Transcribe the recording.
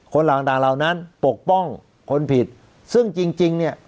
คนต่างต่างเหล่านั้นปกป้องคนผิดซึ่งจริงจริงเนี่ย